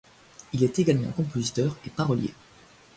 Il est également compositeur et parolier.